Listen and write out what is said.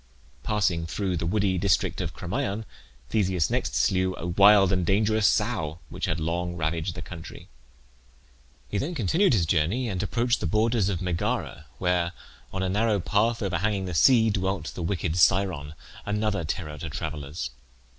Passing through the woody district of Crommyon Theseus next slew a wild and dangerous sow which had long ravaged the country. He then continued his journey and approached the borders of Megara, where, on a narrow path overhanging the sea, dwelt the wicked Scyron, another terror to travellers.